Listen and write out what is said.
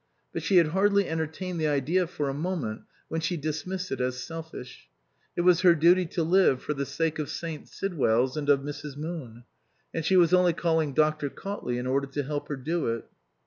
But she had hardly entertained the idea for a moment when she dismissed it as selfish. It was her duty to live, for the sake of St. Sidwell's and of Mrs. Moon ; and she was only calling Dr. Cautley in to help her to do it.